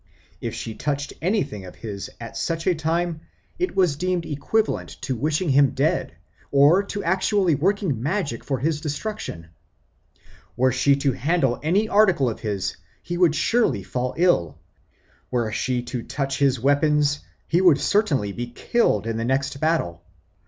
If she touched anything of his at such a time it was deemed equivalent to wishing him dead or to actually working magic for his destruction. Were she to handle any article of his, he would surely fall ill; were she to touch his weapons, he would certainly be killed in the next battle.